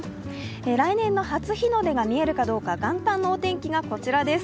来年の初日の出が見えるかどうか元旦のお天気がこちらです。